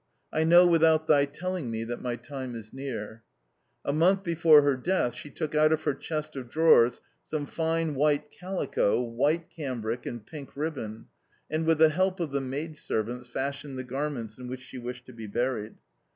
I know without thy telling me that my time is near." A month before her death she took out of her chest of drawers some fine white calico, white cambric, and pink ribbon, and, with the help of the maidservants, fashioned the garments in which she wished to be buried.